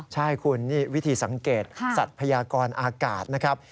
ใช่คุณนี่วิธีสังเกตสัตว์พยากรอากาศนะครับ